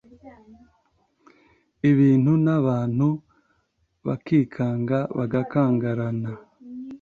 ibintu n’abantu bakikanga bagakangarana